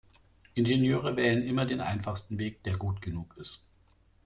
Ingenieure wählen immer den einfachsten Weg, der gut genug ist.